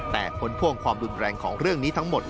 แต่ผลพ่วงความรุนแรงของเรื่องนี้ทั้งหมด